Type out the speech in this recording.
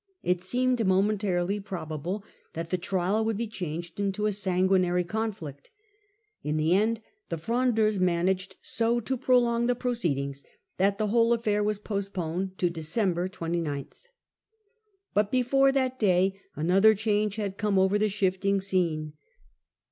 It seemed momentarily probable that the trial would be changed into a sanguinary conflict. In the end the Fron deurs managed so to prolong the proceedings that the whole affair was postponed to December 29. But before that day another change had come over the shifting scene.